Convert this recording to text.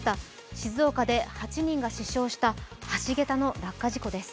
静岡で８人が死傷した橋桁の落下事故です。